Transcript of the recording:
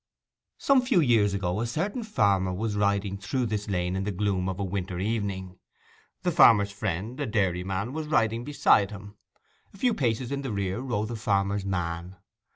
Some few years ago a certain farmer was riding through this lane in the gloom of a winter evening. The farmer's friend, a dairyman, was riding beside him. A few paces in the rear rode the farmer's man.